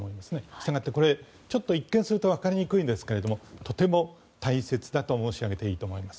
したがってこれ一見するとわかりにくいんですがとても大切だと申し上げていいと思います。